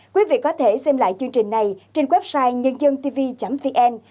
quý vị có thể xem lại chương trình này trên website nhân dân tv vn